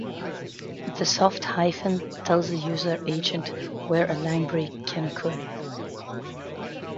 The soft hyphen tells the user agent where a line break can occur.